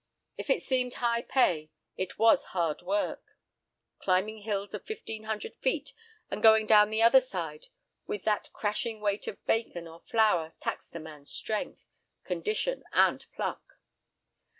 If it seemed high pay, it was hard work. Climbing hills of fifteen hundred feet and going down the other side with that crushing weight of bacon or flour taxed a man's strength, condition and pluck.